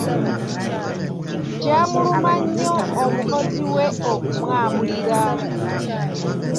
Kyamuluma nnyo omukozi we okumwabulira.